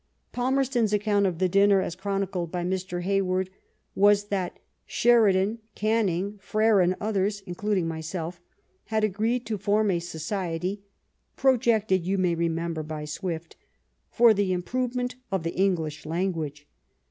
Palmerstons acooaot of the dinner, as chronicled hy Mr. Hayward, was that *' Sheridan, Oan ning, Frere, and others, including myself, had agreed to form a society (projected, you may remember, by Swift) for the improvement of the English language.